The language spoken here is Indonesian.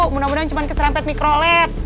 mudah mudahan cuma keseram pet mikro led